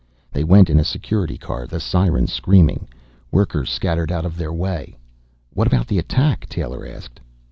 They went in a Security Car, the siren screaming. Workers scattered out of their way. "What about the attack?" Taylor asked.